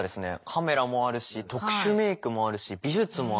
カメラもあるし特殊メークもあるし美術もあるし。